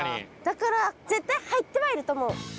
だから絶対入ってはいると思う。